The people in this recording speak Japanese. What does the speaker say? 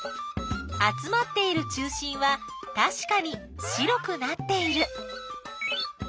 集まっている中心はたしかに白くなっている。